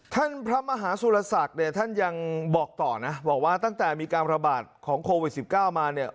ท่านพระมหาสุรศักดิ์เนี่ยท่านยังบอกต่อนะบอกว่าตั้งแต่มีการระบาดของโควิด๑๙มาเนี่ย